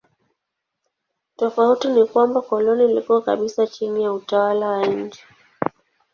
Tofauti ni kwamba koloni liko kabisa chini ya utawala wa nje.